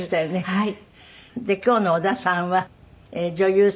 はい。